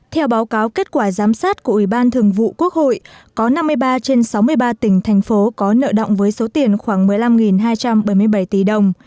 theo báo cáo kết quả giám sát của ủy ban thường vụ quốc hội có năm mươi ba trên sáu mươi ba tỉnh thành phố có nợ động với số tiền khoảng một mươi năm hai trăm bảy mươi bảy tỷ đồng